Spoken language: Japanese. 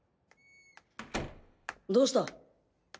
どうした？